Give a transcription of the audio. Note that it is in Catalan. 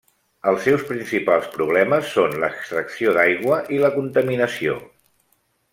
Els seus principals problemes són l'extracció d'aigua i la contaminació.